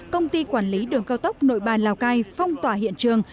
công ty quản lý đường cao tốc nội bài lào cai phong tỏa hiện trường